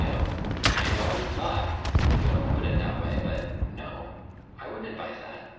No.... I know it was luck, if you want to put it that way, but.... No. I wouldn't advise that!